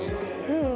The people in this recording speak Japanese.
うん。